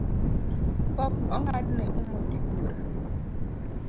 Pok ong’adne omondi Bura